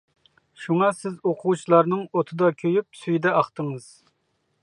شۇڭا سىز ئوقۇغۇچىلارنىڭ ئوتىدا كۆيۈپ، سۈيىدە ئاقتىڭىز.